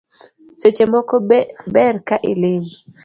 Seche moko ber ka iling